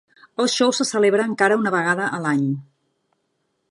El show se celebra encara una vegada a l'any.